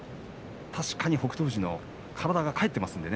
確かに北勝富士の体が返っています。